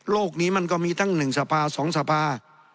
นี้มันก็มีตั้ง๑สภา๒สภา